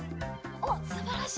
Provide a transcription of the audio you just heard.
おっすばらしい。